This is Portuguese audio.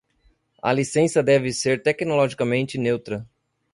A licença deve ser tecnologicamente neutra.